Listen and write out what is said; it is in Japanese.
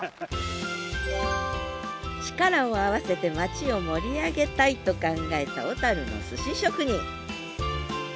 力を合わせて町を盛り上げたいと考えた小のすし職人。